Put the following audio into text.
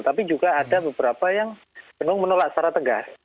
tapi juga ada beberapa yang belum menolak secara tegas